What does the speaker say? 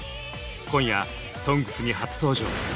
今夜「ＳＯＮＧＳ」に初登場！